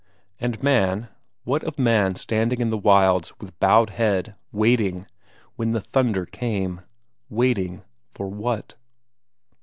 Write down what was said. And man, what of man standing in the wilds with bowed head, waiting, when the thunder came? Waiting for what?